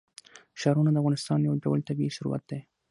ښارونه د افغانستان یو ډول طبعي ثروت دی.